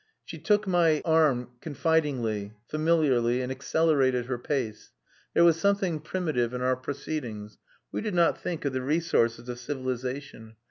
She took my arm confidingly, familiarly, and accelerated her pace. There was something primitive in our proceedings. We did not think of the resources of civilization.